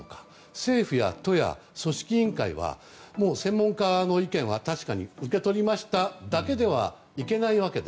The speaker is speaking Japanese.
政府や都や組織委員会は専門家の意見は確かに受け取りましただけではいけないわけで。